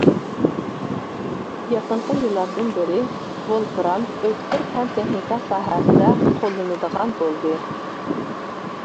يېقىنقى يىللاردىن بېرى، ۋولفرام ئۆتكۈر پەن-تېخنىكا ساھەسىدە قوللىنىدىغان بولدى.